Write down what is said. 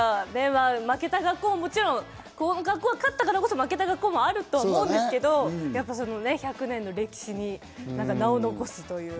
負けた学校はもちろん、勝った学校があるから負けた学校もあると思うんですけど、１００年の歴史に名を残すという。